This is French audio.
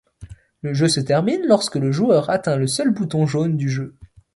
Le jeu se termine lorsque le joueur atteint le seul bouton jaune du jeu.